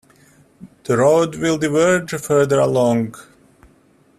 The road will diverge further along.